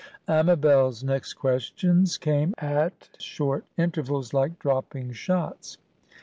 Amabel's next questions came at short intervals, like dropping shots.